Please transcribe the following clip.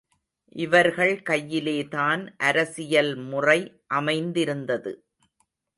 இவர்கள் கையிலேதான் அரசியல் முறை அமைந்திருந்தது.